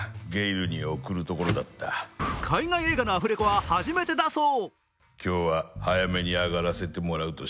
海外映画のアフレコは初めてだそう。